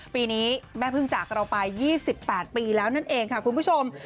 ปีนี้แม่พึ่งจากเราไป๒๘ปีแล้วนั่นเองค่ะคุณผู้ชม